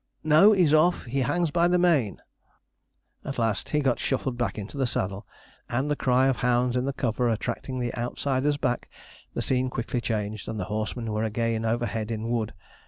no, he's off, he hangs by the mane! [Illustration: 'LET MR. BUGLES THROUGH'] At last he got shuffled back into the saddle, and the cry of hounds in cover attracting the outsiders back, the scene quickly changed, and the horsemen were again overhead in wood.